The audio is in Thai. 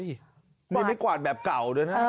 ดูนี่ฮะนี่ไม่กวาดแบบเก่าด้วยนะ